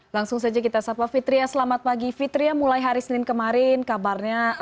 langsung saja kita sapa fitria selamat pagi fitria mulai hari senin kemarin kabarnya